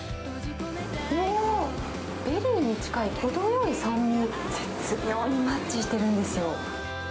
わー、ベリーに近い、程よい酸味、絶妙にマッチしてるんですよ。